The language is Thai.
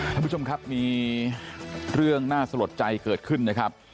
ท่านผู้ชมครับมีเรื่องน่าสลดใจเกิดขึ้นนะครับ